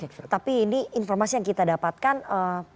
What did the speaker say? oke tapi ini informasi yang kita dapatkan